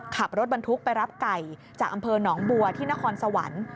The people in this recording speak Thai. ขับรถบรรทุกไปรับไก่จากอำเภอหนองบัวที่นครสวรรค์